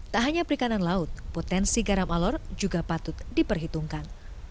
tak hanya perikanan laut potensi garam alor juga patut diperhitungkan